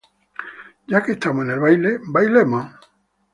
Ya que estamos en el baile, bailemos.